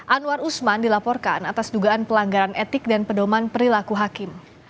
anwar usman dilaporkan atas dugaan pelanggaran etik dan pedoman perilaku hakim